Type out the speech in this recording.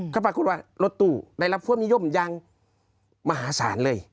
ก็ปรากฏว่ารถตู้ได้รับความนิยมยังมหาศาลเลย